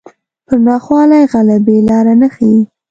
پر ناخوالو غلبې لاره نه ښيي